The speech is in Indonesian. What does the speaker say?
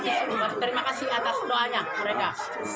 saya berterima kasih atas doanya mereka